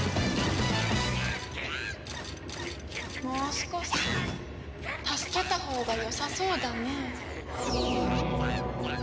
もう少し助けたほうがよさそうだね。